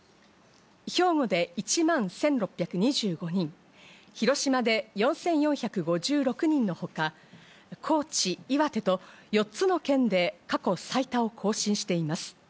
兵庫で１万１６２５人、広島で４４５６人のほか、高知、岩手と４つの県で、過去最多を更新しています。